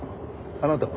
あなたは？